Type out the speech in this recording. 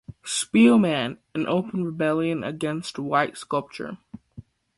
Spielmann "in open rebellion against white sculpture".